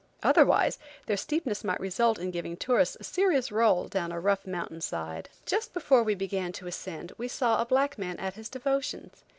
Otherwise their steepness might result in giving tourists a serious roll down a rough mountain side. Just before we began to ascend we saw a black man at his devotions.